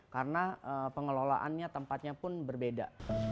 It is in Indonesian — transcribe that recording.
karena pengelolaannya tempatnya pun berbeda